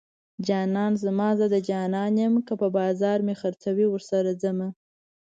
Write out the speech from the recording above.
جانان زما زه د جانان يم که په بازار مې خرڅوي ورسره ځمه